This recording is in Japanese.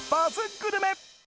グルメ！